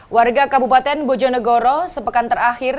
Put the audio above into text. warga kabupaten bojonegoro sepekan terakhir